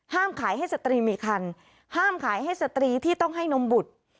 ขายให้สตรีมีคันห้ามขายให้สตรีที่ต้องให้นมบุตร